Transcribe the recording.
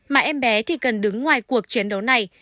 mà em bé thì cần đứng ngoài cuộc chiến đấu này